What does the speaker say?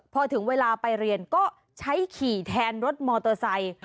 พอถึงเวลาไปเรียนก็ใช้ขี่แทนรถมอเตอร์ไซค์